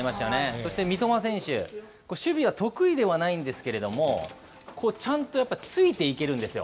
そして三笘選手、守備は得意ではないんですけれども、ちゃんとやっぱりついていけるんですよ。